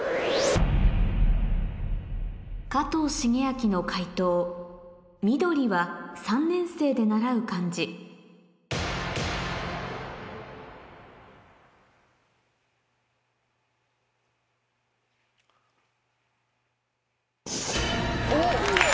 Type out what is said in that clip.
加藤シゲアキの解答「緑は３年生で習う漢字」おっ！